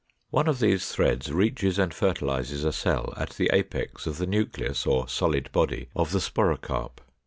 One of these threads reaches and fertilizes a cell at the apex of the nucleus or solid body of the sporocarp.